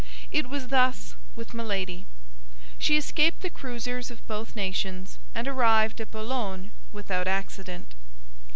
It was thus with Milady. She escaped the cruisers of both nations, and arrived at Boulogne without accident.